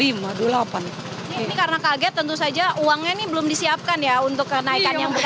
ini karena kaget tentu saja uangnya ini belum disiapkan ya untuk kenaikan yang besar